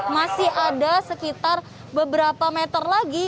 masih ada sekitar beberapa meter lagi